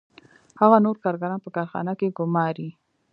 هغه نور کارګران په کارخانه کې ګوماري